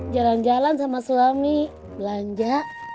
jalan jalan sama suami belanja